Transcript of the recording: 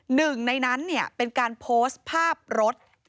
หนึ่งในนั้นเป็นการโพสต์ภาพรถ